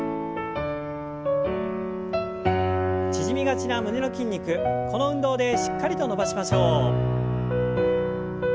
縮みがちな胸の筋肉この運動でしっかりと伸ばしましょう。